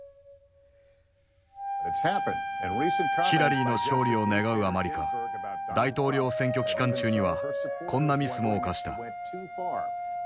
ヒラリーの勝利を願うあまりか大統領選挙期間中にはこんなミスも犯した。